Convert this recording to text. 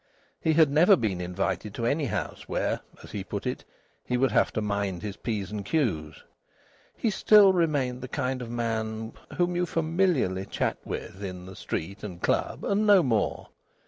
He had never been invited to any house where, as he put it, he would have had to mind his p's and q's. He still remained the kind of man whom you familiarly chat with in the street and club, and no more.